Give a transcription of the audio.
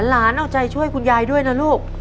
เอาใจช่วยคุณยายด้วยนะลูก